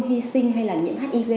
hy sinh hay là nhiễm hiv